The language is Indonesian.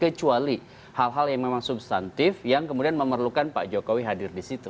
kecuali hal hal yang memang substantif yang kemudian memerlukan pak jokowi hadir di situ